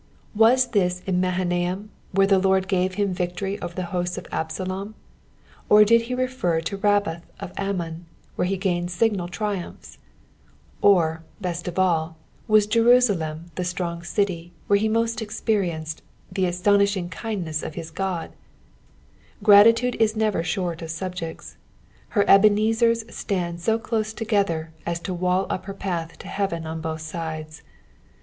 Was this in Hahanaim, where the Lord gave him victory over the hosts of Absalom ! Or did he refer to Rabbath of Amroon, where he gainecl signal triumphs 1 Or, best of all, was Jerusalem the strong city where hfl most experienced the astonishing kinduess ot his God t Gratitude is never short of subjects ; her Ebenezers stand so close tc^ther as to wall up ber wth to heaven on both sides.